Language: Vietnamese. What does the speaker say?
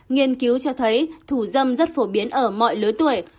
nghiên cứu cho thấy thủ dâm rất phổ biến ở mọi lứa tuổi